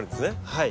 はい。